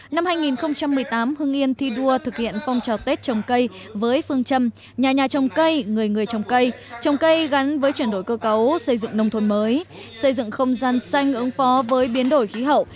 năm hai nghìn một mươi tám hưng yên thi đua thực hiện phong trào tết trồng cây với phương châm nhà nhà trồng cây người người trồng cây trồng cây gắn với chuyển đổi cơ cấu xây dựng nông thôn mới xây dựng không gian xanh ứng phó với biến đổi khí hậu